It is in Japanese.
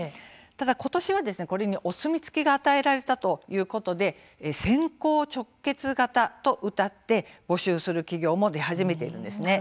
ただ、今年はこれにお墨付きが与えられたことから選考直結型とうたって募集する企業も出始めています。